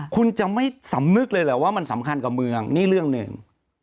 คุณจะไม่สำนึกเลยเหรอว่ามันสำคัญกับเมืองนี่เรื่องหนึ่ง